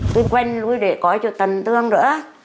tôi quên nuôi để coi cho tình tương nữa